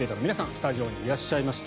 スタジオにいらっしゃいました。